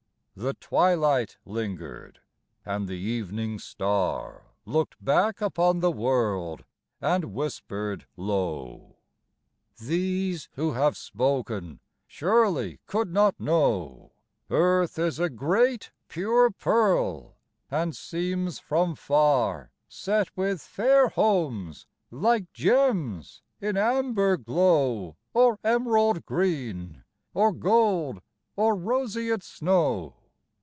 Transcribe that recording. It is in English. The twilight lingered, and the Evening Star Looked back upon the world and whispered low: "These who have spoken surely could not know: Earth is a great, pure pearl, and seems from far Set with fair homes, like gems; in amber glow, Or emerald green, or gold or roseate snow.